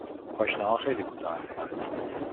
پاشنه ها خیلی کوتاه هستند.